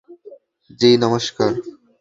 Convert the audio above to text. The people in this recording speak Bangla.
জি, নমষ্কার।